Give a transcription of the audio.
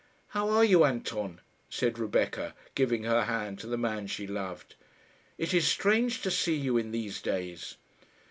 "How are you, Anton?" said Rebecca, giving her hand to the man she loved. "It is strange to see you in these days."